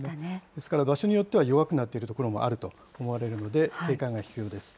ですから場所によっては弱くなっている所もあると思われるので、警戒が必要です。